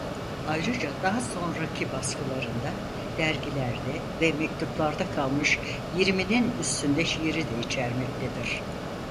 Ayrıca daha sonraki baskılarında dergilerde ve mektuplarda kalmış yirminin üstünde şiiri de içermektedir.